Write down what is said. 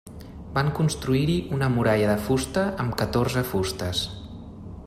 Van construir-hi una muralla de fusta amb catorze fustes.